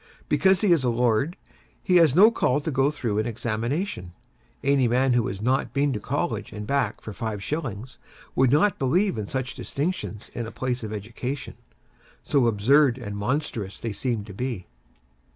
Because he is a lord, he has no call to go through an examination. Any man who has not been to College and back for five shillings, would not believe in such distinctions in a place of education, so absurd and monstrous do they seem to be.